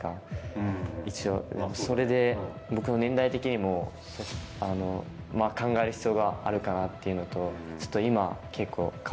それで僕の年代的にも考える必要があるかなっていうのと。